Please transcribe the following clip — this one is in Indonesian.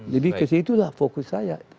lebih ke situ lah fokus saya